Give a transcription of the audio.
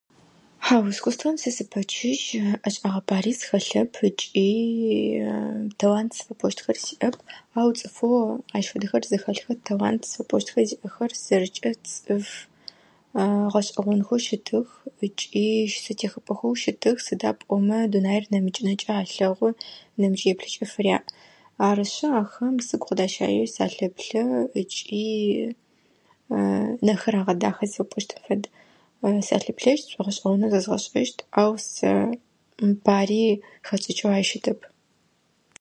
Хьау, искусствэм сэ сыпэчыжь, ӏэшӏагъэ пари схэлъэп ыкӏи талант зыфэпӏощтхэр сиӏэп. Ау цӏыфэу ащ фэдэхэр зыхэлъхэр, талант зыфэпӏощтхэр зиӏэхэ сэркӏэ цӏыф гъэшӏэгъонхэу щытых ыкӏи щысэтехыпӏэхэу щытых. Сыда пӏомэ дунаер нэмыкӏ нэкӏэ алъэгъу, нэмыкӏ еплъыкӏэ фыряӏ. Арышъы ахэм сыгу къыдащае, салъэплъэ ыкӏи нэхэр агъэдахэ зыфэпӏощтым фэд. Салъыплъэщт, сшӏогъэшӏэгъонэу зэзгъэшӏэщт, ау сэ пари хэкӏыкӏэу ай щытэп.